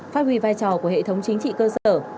phát huy vai trò của hệ thống chính trị cơ sở